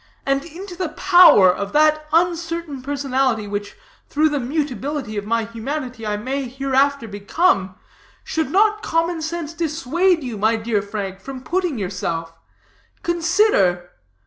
And into the power of that uncertain personality which, through the mutability of my humanity, I may hereafter become, should not common sense dissuade you, my dear Frank, from putting yourself? Consider.